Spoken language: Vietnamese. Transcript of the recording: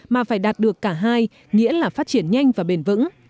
mà phải đạt được cả hai nghĩa là phát triển nhanh và bền vững